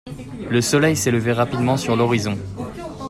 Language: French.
Le soleil s'élevait rapidement sur l'horizon.